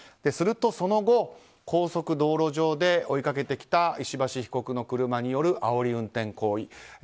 するとその後、高速道路上で追いかけてきた石橋被告の車によるあおり運転行為。